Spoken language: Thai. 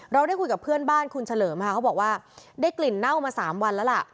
เราได้คุยกับเพื่อนบ้านคุณเฉลิมค่ะเขาบอกว่าได้กลิ่นเน่ามา๓วันแล้วล่ะ